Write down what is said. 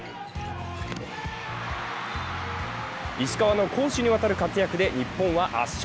石川の攻守にわたる活躍で日本は圧勝。